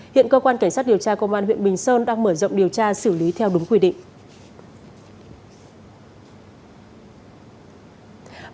hiện cơ quan cảnh sát điều tra công an huyện bình sơn đang mở rộng điều tra xử lý theo đúng quy định